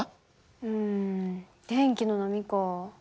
うん電気の波か。